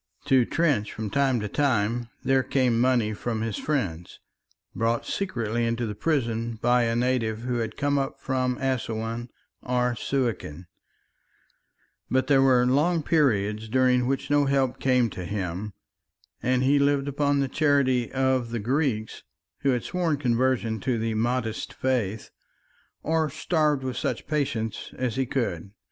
To Trench from time to time there came money from his friends, brought secretly into the prison by a native who had come up from Assouan or Suakin; but there were long periods during which no help came to him, and he lived upon the charity of the Greeks who had sworn conversion to the Mahdist faith, or starved with such patience as he could.